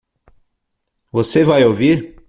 Você vai ouvir?